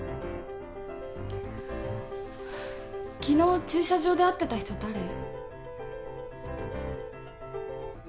昨日駐車場で会ってた人誰？